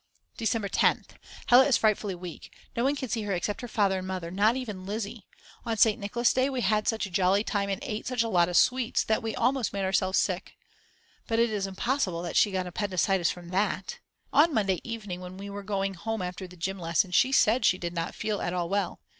December 10th. Hella is frightfully weak; no one can see her except her father and mother, not even Lizzi. On St. Nicholas Day we had such a jolly time and ate such a lot of sweets that we almost made ourselves sick. But its impossible that she got appendicitis from that. On Monday evening, when we were going home after the gym lesson, she said she did not feel at all well.